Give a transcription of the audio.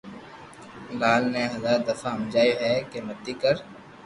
لال ني ھزار دفہ ھمجاويو ھي ڪي متي ڪر